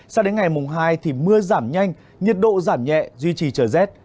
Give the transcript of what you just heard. sao đến ngày mùng hai thì mưa giảm nhanh nhiệt độ giảm nhẹ duy trì trời z